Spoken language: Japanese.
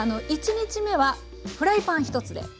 １日目はフライパン１つで。